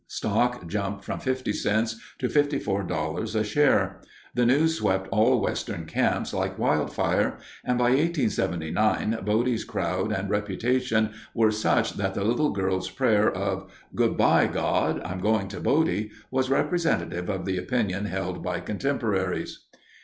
Stock jumped from fifty cents to fifty four dollars a share. The news swept all Western camps like wildfire, and by 1879 Bodie's crowd and reputation were such that the little girl's prayer of "Good by, God! I'm going to Bodie" was representative of the opinion held by contemporaries.